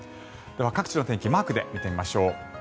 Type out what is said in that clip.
各地の天気をマークで見てみましょう。